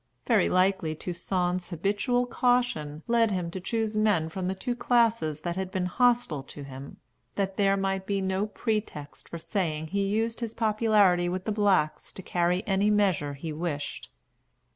Very likely Toussaint's habitual caution led him to choose men from the two classes that had been hostile to him, that there might be no pretext for saying he used his popularity with the blacks to carry any measure he wished.